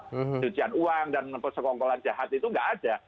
pencucian uang dan persekongkolan jahat itu nggak ada